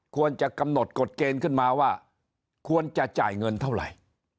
ควรจะกำหนดกฎเกณฑ์ขึ้นมาว่าควรจะจ่ายเงินเท่าไหร่